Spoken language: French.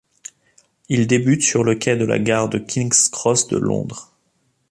Ils débutent sur le quai de la Gare de King's Cross de Londres.